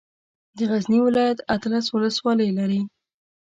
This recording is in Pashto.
د غزني ولايت اتلس ولسوالۍ لري.